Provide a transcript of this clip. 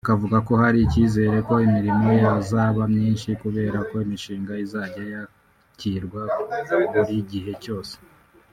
Akavuga ko hari ikizere ko imirimo yazaba myinshi kubera ko imishinga izajya yakirwa buri gihe cyose